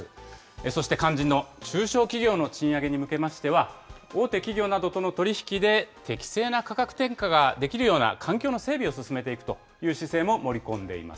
そして、肝心の中小企業の賃上げに向けましては、大手企業などとの取り引きで適正な価格転嫁ができるような環境の整備を進めていくという姿勢も盛り込んでいます。